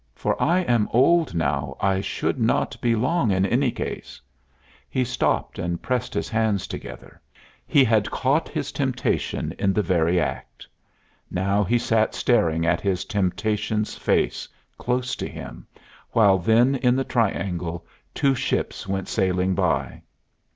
"For I am old now. I should not be long has in any case." He stopped and pressed his hands together; he had caught his Temptation in the very act. Now he sat staring at his Temptation's face, close to him, while then in the triangle two ships went sailing by.